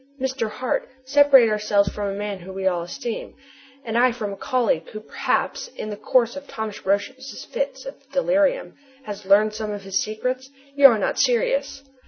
Mr. Hart, separate ourselves from a man whom we all esteem and I from a colleague who perhaps, in the course of Thomas Roch's fits of delirium, has learned some of his secrets? You are not serious!"